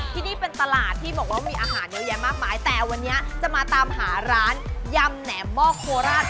ที่นี่เป็นตลาดที่บอกว่ามีอาหารเยอะแยะมากมายแต่วันนี้จะมาตามหาร้านยำแหนมมอกโคราช